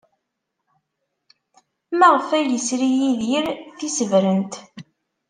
Maɣef ay yesri Yidir tisebrent?